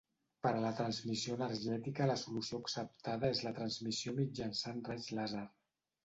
Per a la transmissió energètica la solució acceptada és la transmissió mitjançant raig làser.